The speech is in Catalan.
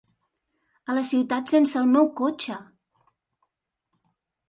A la ciutat sense el meu cotxe!